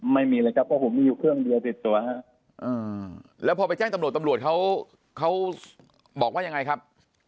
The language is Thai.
ไม่มีเลยครับผมไม่มีค่องดิน๗ตัวแล้วพอไปแจ้งตำรวจสำรวจเขาเขาบอกว่ายังไงครับ